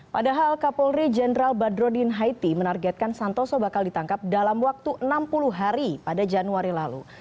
padahal kapolri jenderal badrodin haiti menargetkan santoso bakal ditangkap dalam waktu enam puluh hari pada januari lalu